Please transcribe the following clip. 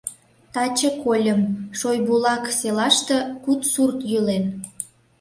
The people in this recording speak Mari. Таче кольым: Шойбулак селаште куд сурт йӱлен.